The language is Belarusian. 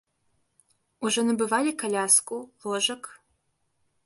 Ужо набывалі каляску, ложак?